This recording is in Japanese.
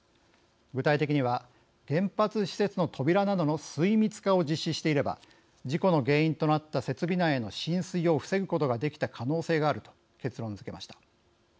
具体的にいえば原発施設の扉などの水密化を実施していれば事故の原因となった設備内への浸水を防ぐことができた可能性があると結論づけました。